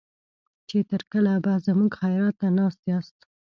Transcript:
چې تر کله به زموږ خيرات ته ناست ياست.